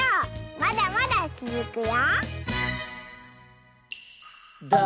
まだまだつづくよ！